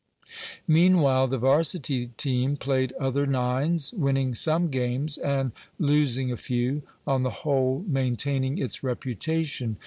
Meanwhile, the varsity team played other nines, winning some games and losing a few, on the whole maintaining its reputation.